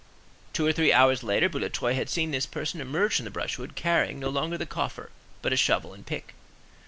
Two or three hours later, Boulatruelle had seen this person emerge from the brushwood, carrying no longer the coffer, but a shovel and pick.